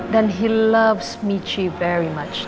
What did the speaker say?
dan dia sangat menyukai michi